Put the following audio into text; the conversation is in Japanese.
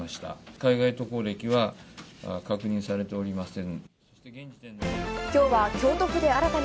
海外渡航歴は確認されておりません。